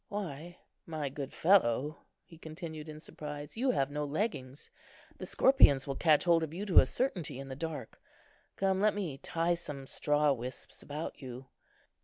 Why, my good fellow," he continued, in surprise, "you have no leggings. The scorpions will catch hold of you to a certainty in the dark. Come, let me tie some straw wisps about you."